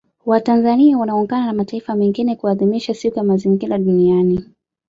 Watanzania wanaungana na mataifa mengine kuadhimisha Siku ya Mazingira Duniani